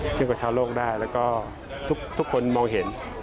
เชื่อกับชาวโลกได้แล้วก็ทุกคนมองเห็น